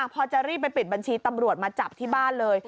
พอจะรีบไปปิดบัญชีตำรวจมาจับที่บ้านเลย